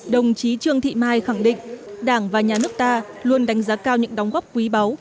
đồng chí trương thị mai khẳng định đảng và nhà nước ta luôn đánh giá cao những đóng góp quý báu